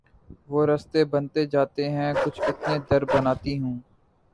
وہ رستہ بنتے جاتے ہیں کچھ اتنے در بناتی ہوں